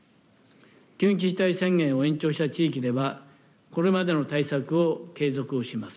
緊急事態宣言を延長した地域では、これまでの対策を継続をします。